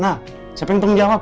nah siapa yang tanggung jawab